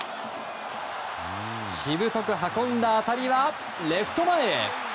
しぶとく運んだ当たりはレフト前へ。